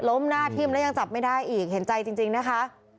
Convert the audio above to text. หน้าทิ่มแล้วยังจับไม่ได้อีกเห็นใจจริงนะคะ